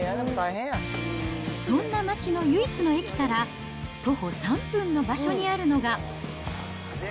そんな町の唯一の駅から、徒歩３分の場所にあるのが。